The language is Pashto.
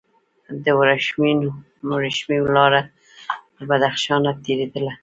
د ورېښمو لاره له بدخشان تیریده